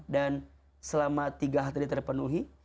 dan selama tiga hati terpenuhi